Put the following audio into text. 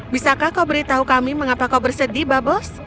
bisakah kau beritahu kami mengapa kau bersedih bubbles